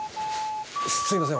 すみません